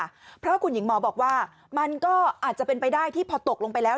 เพราะคุณหญิงหมอบอกว่ามันก็อาจจะเป็นไปได้ที่พอตกลงไปแล้ว